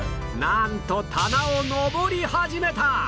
なんと棚を昇り始めた！